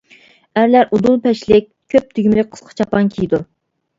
ئەرلەر ئۇدۇل پەشلىك، كۆپ تۈگمىلىك قىسقا چاپان كىيىدۇ.